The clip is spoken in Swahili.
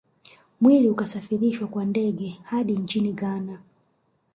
Mwili ukasafirishwa kwa ndege hadi nchini Ghana